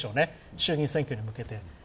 衆議院選挙に向けて。